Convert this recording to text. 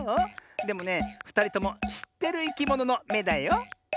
でもねふたりともしってるいきもののめだよ。